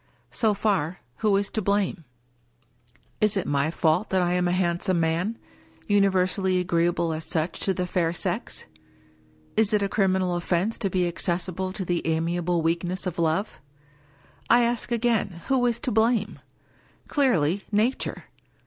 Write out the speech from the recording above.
So far, Who is to blame ? 264 WUkie Collins Is it my fault that I am a handsome man — ^universally agreeable as such to the fair sex ? Is it a criminal offense to be accessible to the amiable weakness of love? I ask again, Who is to blame ? Clearly, nature.